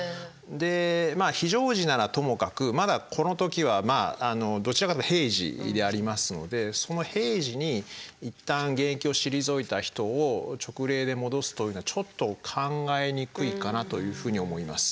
まあ非常時ならともかくまだこのときはどちらかというと平時でありますのでその平時にいったん現役を退いた人を勅令で戻すというのはちょっと考えにくいかなというふうに思います。